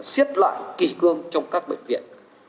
xiết lại kỳ cương trong các bệnh viện